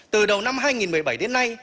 từ đầu năm hai nghìn một mươi bảy đến nay